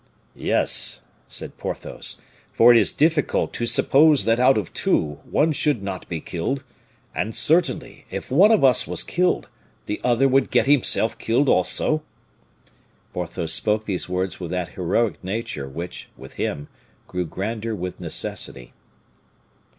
"Yes," said Porthos, "for it is difficult to suppose that out of two, one should not be killed; and certainly, if one of us was killed, the other would get himself killed also." Porthos spoke these words with that heroic nature which, with him, grew grander with necessity.